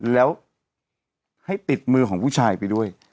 แล้วให้ติดมือของผู้ชายไปด้วย